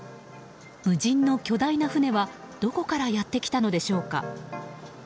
無人の巨大な船はどこからやってきたのでしょうか。